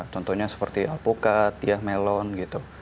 contohnya seperti alpukat ya melon gitu